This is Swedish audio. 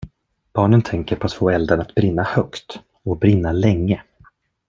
Barnen tänker på att få elden att brinna högt och brinna länge.